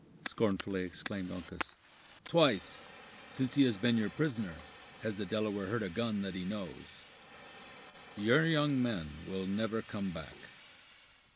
scornfully exclaimed Uncas; "twice, since he has been your prisoner, has the Delaware heard a gun that he knows. Your young men will never come back!"